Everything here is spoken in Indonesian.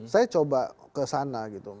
saya coba kesana gitu